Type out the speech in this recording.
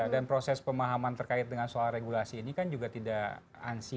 dan proses pemahaman terkait dengan soal regulasi ini kan juga tidak ansi